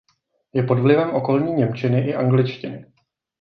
Je pod vlivem okolní němčiny i angličtiny.